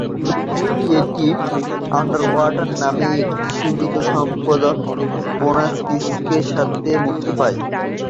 এটি "আন্ডারওয়াটার" নামে একটি সীমিত-সম্পাদন বোনাস ডিস্কের সাথে মুক্তি পায়।